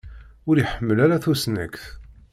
Ur iḥemmel ara tusnakt.